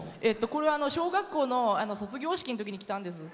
これは小学校の卒業式のときに着たんです。